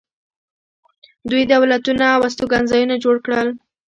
دوی دولتونه او استوګنځایونه جوړ کړل.